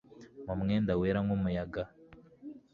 Mu mwenda wera nkumuyaga